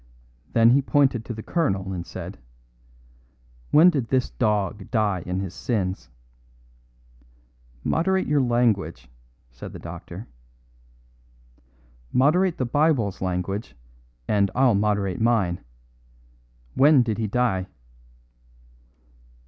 Then he pointed to the colonel and said: "When did this dog die in his sins?" "Moderate your language," said the doctor. "Moderate the Bible's language, and I'll moderate mine. When did he die?"